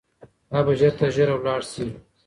هغه به ژر تر ژره لاړ سي.